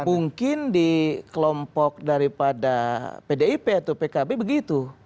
mungkin di kelompok daripada pdip atau pkb begitu